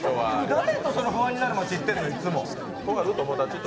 誰と不安になる街、行ってるの？